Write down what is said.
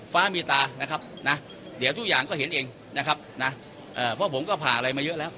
ฟ้ามีตานะครับนะเดี๋ยวทุกอย่างก็เห็นเองนะครับนะเพราะผมก็ผ่าอะไรมาเยอะแล้ว